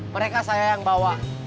mereka saya yang bawa